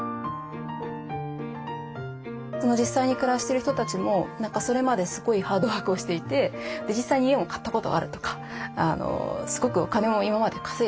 実際に暮らしてる人たちも何かそれまですごいハードワークをしていて実際に家も買ったことあるとかすごくお金も今まで稼いでた。